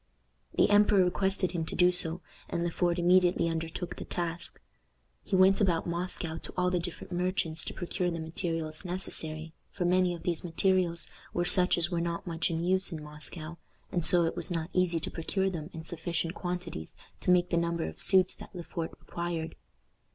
The emperor requested him to do so, and Le Port immediately undertook the task. He went about Moscow to all the different merchants to procure the materials necessary for many of these materials were such as were not much in use in Moscow, and so it was not easy to procure them in sufficient quantities to make the number of suits that Le Fort required.